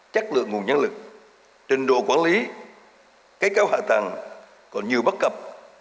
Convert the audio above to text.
chắc lượng nguồn nhân lực trình độ quản lý kế cao hạ tầng còn nhiều bất cập